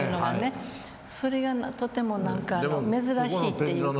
それがとても何か珍しいっていうか。